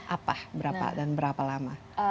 apa berapa dan berapa lama